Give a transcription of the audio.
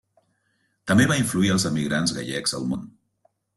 També va influir els emigrants gallecs al món.